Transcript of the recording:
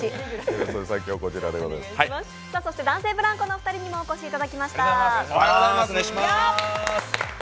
男性ブランコのお二人にもお越しいただきました。